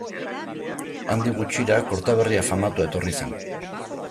Handik gutxira, Kortaberria famatua etorri zen.